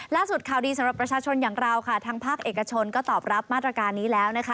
ข่าวดีสำหรับประชาชนอย่างเราค่ะทางภาคเอกชนก็ตอบรับมาตรการนี้แล้วนะคะ